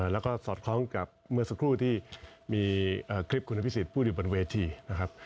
แล้วก็สอดคล้องกับเมื่อสักครู่ที่มีคลิปคุณอภิษฎพูดอยู่บนเวทีนะครับ